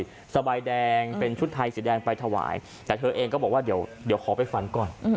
สบายแดงเป็นชุดไทยสีแดงไปถวายแต่เธอเองก็บอกว่าเดี๋ยวขอไปฝันก่อน